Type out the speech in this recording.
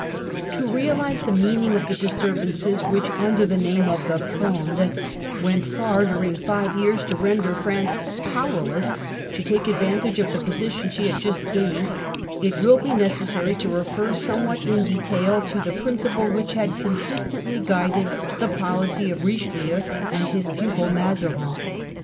To realise the meaning of the disturbances which, under the name of the 1 Fronde,' went far during five years to render France powerless to take advantage of the position she had just gained, it will be necessary to refer somewhat in detail to the principle which had con sistently guided the policy of Richelieu and of his pupil Mazarin.